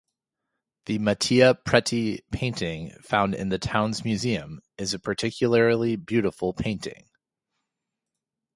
The Mattia Preti painting, found in the town's museum, is a particularly beautiful painting.